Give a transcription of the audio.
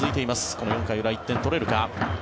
この４回裏、１点取れるか。